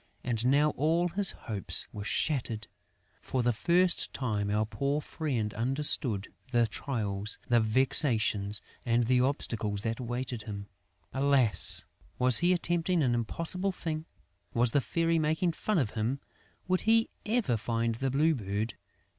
And now all his hopes were shattered! For the first time, our poor friend understood the trials, the vexations and the obstacles that awaited him! Alas, was he attempting an impossible thing? Was the Fairy making fun of him? Would he ever find the Blue Bird?